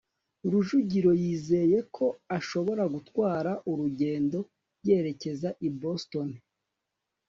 rujugiro yizeye ko ashobora gutwara urugendo yerekeza i boston